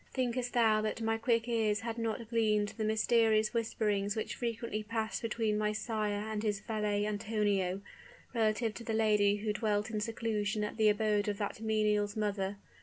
Thinkest thou that my quick ears had not gleaned the mysterious whisperings which frequently passed between my sire and his valet Antonio, relative to the lady who dwelt in seclusion at the abode of that menial's mother?